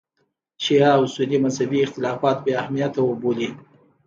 شیعه او سني مذهبي اختلافات بې اهمیته وبولي.